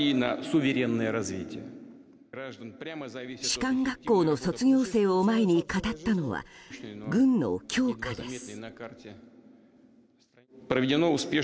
士官学校の卒業生を前に語ったのは、軍の強化です。